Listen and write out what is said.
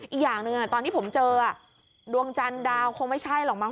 อีกอย่างหนึ่งตอนที่ผมเจอดวงจันทร์ดาวคงไม่ใช่หรอกมั้